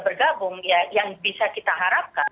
bergabung ya yang bisa kita harapkan